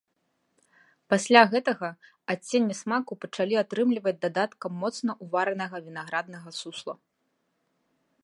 Пасля гэтага адценне смаку пачалі атрымліваць дадаткам моцна уваранага вінаграднага сусла.